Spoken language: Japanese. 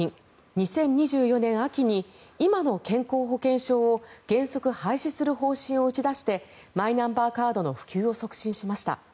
２０２４年秋に今の健康保険証を原則廃止する方針を打ち出してマイナンバーカードの普及を促進しました。